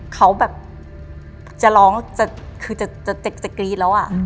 เขาแบบจะร้องจะกรีดแล้ว